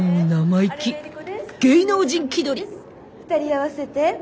２人合わせて。